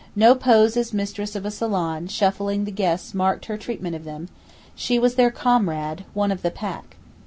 No pose as mistress of a salon shuffling the guests marked her treatment of them; she was their comrade, one of the pack.